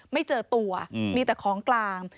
ไม่เจอตัวมีแต่ของกลาง